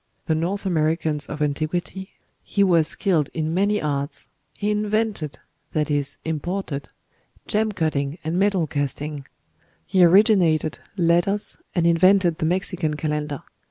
("North Amer. of Antiq.," p. 268.) "He was skilled in many arts: he invented" (that is, imported) "gem cutting and metal casting; he originated letters, and invented the Mexican calendar.